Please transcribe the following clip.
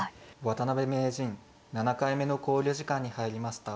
渡辺名人７回目の考慮時間に入りました。